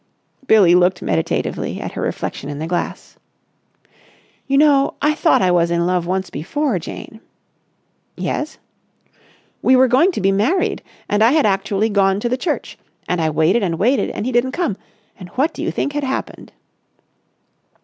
Billie looked meditatively at her reflection in the glass. "You know I thought I was in love once before, Jane." "Yes?" "We were going to be married and I had actually gone to the church. And I waited and waited and he didn't come; and what do you think had happened?"